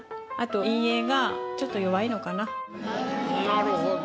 なるほど。